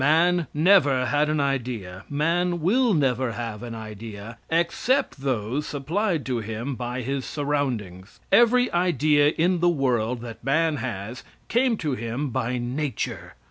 Man never had an idea; man will never have an idea, except those supplied to him by his surroundings. Every idea in the world that man has, came to him by nature.